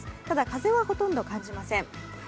ただ、風はほとんど感じません。